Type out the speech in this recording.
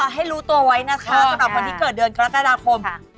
ให้รู้ตัวไว้นะคะสำหรับคนที่เกิดเดือนกรกฎาคม